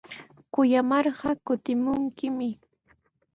Kuyamarqa kutimunkimi.